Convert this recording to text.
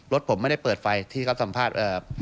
รถผมไม่ได้เปิดไฟที่เขาสัมภาษณ์